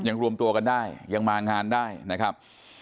รวมตัวกันได้ยังมางานได้นะครับ